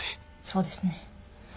そうですね。